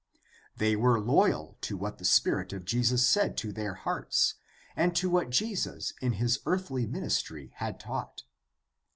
They were loyal to what the spirit of Jesus said to their hearts and to what Jesus in his earthly ministry had taught.